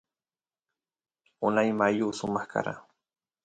unay mayu samaq kara